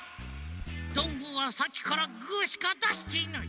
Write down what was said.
どんぐーはさっきからグーしかだしていない。